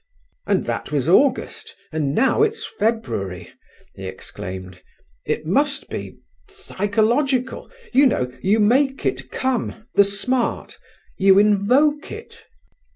"And that was August, and now it's February!" he exclaimed. "It must be psychological, you know. You make it come—the smart; you invoke it."